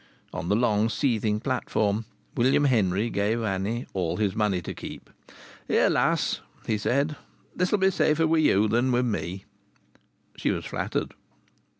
On the long seething platform William Henry gave Annie all his money to keep. "Here, lass!" he said. "This'll be safer with you than with me." She was flattered.